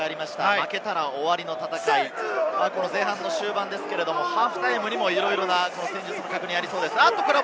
負けたら終わりの戦い、前半の終盤ですけれど、ハーフタイムにもいろいろな戦術の確認がありそうです。